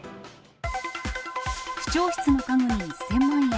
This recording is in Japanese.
市長室の家具に１０００万円。